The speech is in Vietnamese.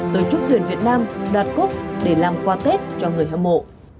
tổ chức tuyển việt nam đoạt cúp để làm qua tết cho người hâm mộ